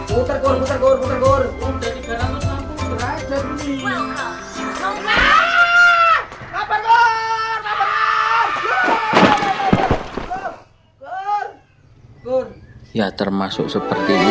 hotmail com ya termasuk seperti ini